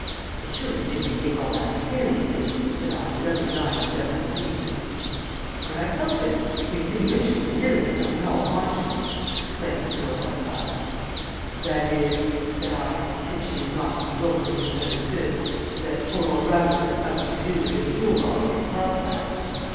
"But surely you didn't take all that seriously?" said I, without denying the just impeachment. "How could I help it? The insinuation was serious enough, in all conscience!" exclaimed Camilla Belsize. "That is," said I, since she was not to be wilfully misunderstood, "that poor old Raffles had something to do with this jewel robbery at Carlsbad?"